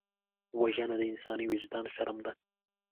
وژنه د انساني وجدان شرم ده